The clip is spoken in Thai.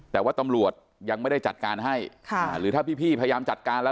แต่ว่าตำรวจยังไม่ได้จัดการให้ค่ะหรือถ้าพี่พยายามจัดการแล้ว